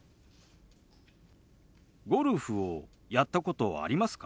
ゴルフをやったことありますか？